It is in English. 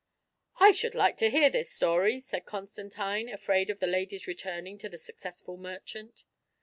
I should like to hear this story," said Constantine, afraid of the lady's returning to the " Successful Mer chant."